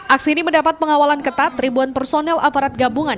aksi ini mendapat pengawalan ketat ribuan personel aparat gabungan